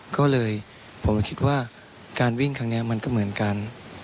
ก็เลยผมคิดว่าการวิ่งครั้งนี้มันก็เหมือนกัน